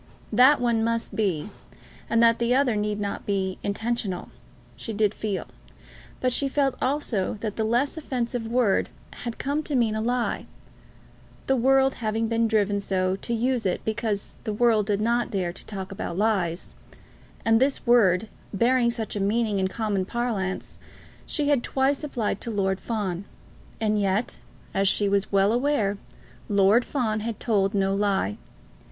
That one must be, and that the other need not be, intentional, she did feel; but she felt also that the less offensive word had come to mean a lie, the world having been driven so to use it because the world did not dare to talk about lies; and this word, bearing such a meaning in common parlance, she had twice applied to Lord Fawn. And yet, as she was well aware, Lord Fawn had told no lie.